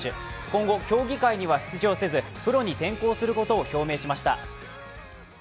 今後、競技会には出場せずプロに転向することを表明しました。